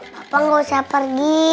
bapak gak usah pergi